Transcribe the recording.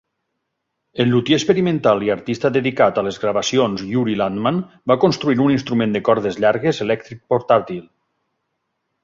El lutier experimental i artista dedicat a les gravacions Yuri Landman va construir un instrument de cordes llargues elèctric portàtil.